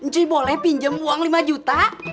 cuy boleh pinjem uang lima juta